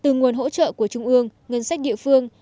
từ nguồn hỗ trợ của trung ương ngân sách địa phương